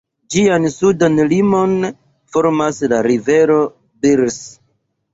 Ĝian sudan limon formas la rivero Birs.